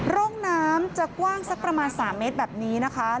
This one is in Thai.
ร่องน้ำจะกว้างสักประมาณ๓เมตรแบบนี้นะคะ